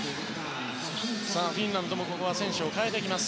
フィンランドもここは選手を代えてきます。